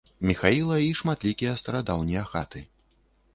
Міхаіла і шматлікія старадаўнія хаты.